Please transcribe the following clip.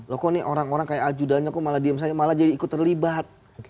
loh kok nih orang orang kayak ajudannya kok malah diem saja malah jadi ikut terlibat